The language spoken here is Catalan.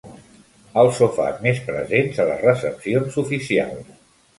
Els sofàs més presents a les recepcions oficials.